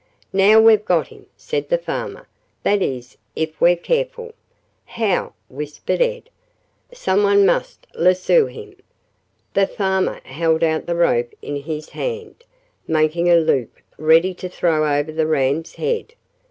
"Now we've got him," said the farmer; "that is, if we're careful." "How?" whispered Ed. "Someone must lasso him." The farmer held out the rope in his hand, making a loop ready to throw over the ram's head.